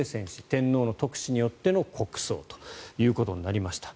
天皇の特旨によっての国葬ということになりました。